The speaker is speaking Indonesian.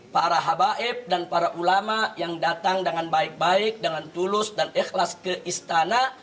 para habaib dan para ulama yang datang dengan baik baik dengan tulus dan ikhlas ke istana